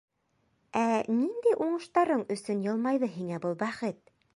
— Ә ниндәй уңыштарың өсөн йылмайҙы һиңә был бәхет?